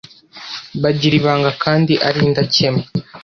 bagira ibanga kandi ari indakemwa